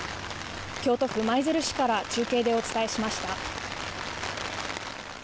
京都府舞鶴市から中継でお伝えしました。